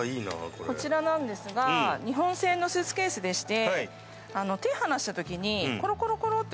こちらは日本製のスーツケースでして。